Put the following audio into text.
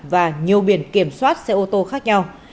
và nhiều biển kiểm soát xe ô tô khác nhau